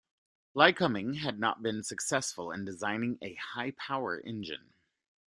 Lycoming had not been successful in designing a high-power engine.